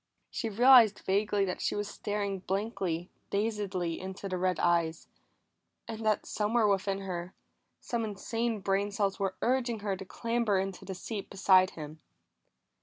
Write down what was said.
She realized vaguely that she was staring blankly, dazedly, into the red eyes, and that somewhere within her, some insane brain cells were urging her to clamber to the seat beside him.